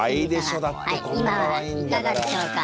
かわいいでしょ。